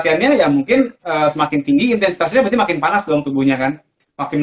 lia mungkin semakin tinggi dipercaya lebih makin panas langsung tubuhnya kan makin